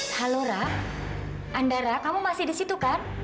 halo ra andara kamu masih di situ kan